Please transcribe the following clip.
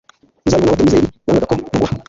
ruzabibu naboti w i yezer li yangaga ko mugura